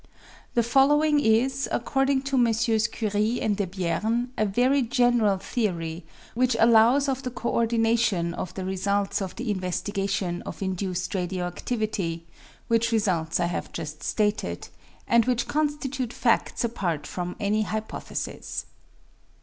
The following is, according to MM. Curie and Debierne, a very general theory which allows of the co ordination of the results of the investigation of induced radio adlivity, which results I have just stated, and which constitute fads apart from any hypothesis.